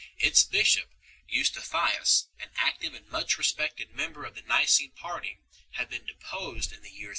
Its bishop Eustathius, an active and much respected member of the Nicene party, had been deposed in the year 330.